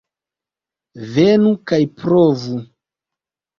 Venu kaj provu!